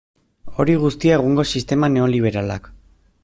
Hori guztia egungo sistema neoliberalak.